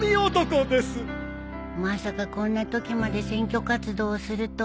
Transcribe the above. まさかこんなときまで選挙活動するとは。